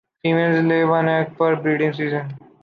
Females lay one egg per breeding season.